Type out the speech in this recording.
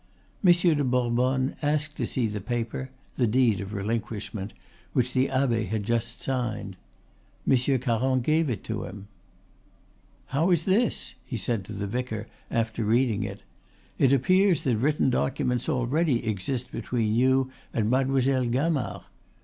Monsieur de Bourbonne asked to see the paper, the deed of relinquishment, which the abbe had just signed. Monsieur Caron gave it to him. "How is this?" he said to the vicar after reading it. "It appears that written documents already exist between you and Mademoiselle Gamard.